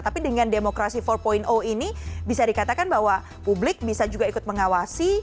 tapi dengan demokrasi empat ini bisa dikatakan bahwa publik bisa juga ikut mengawasi